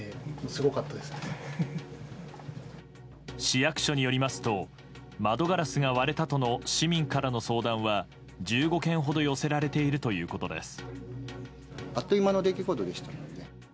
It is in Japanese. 市役所によりますと窓ガラスが割れたとの市民からの相談は１５件ほど寄せられているということです。